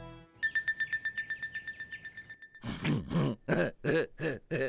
フフフフ。